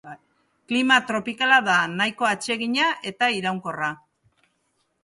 Klima tropikala da, nahiko atsegina eta iraunkorra.